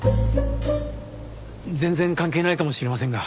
全然関係ないかもしれませんが。